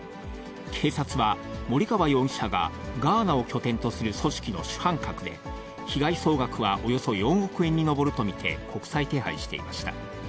警察は森川容疑者がガーナを拠点とする組織の主犯格で、被害総額はおよそ４億円に上ると見て、国際手配していました。